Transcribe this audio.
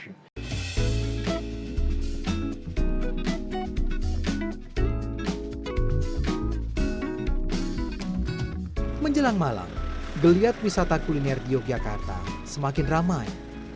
sebelum malam pelancongan kuliner di yogyakarta semakin ramai